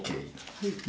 はい。